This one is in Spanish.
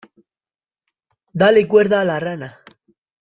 ¡ Dale cuerda a la rana!